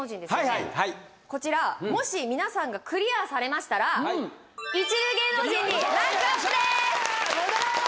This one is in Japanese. はいはいはいこちらもし皆さんがクリアされましたら一流芸能人にランクアップです戻ろう！